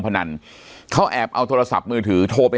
ปากกับภาคภูมิ